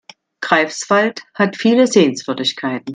Greifswald hat viele Sehenswürdigkeiten